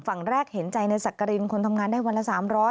ฝั่งแรกเห็นใจในสักกรินคนทำงานได้วันละ๓๐๐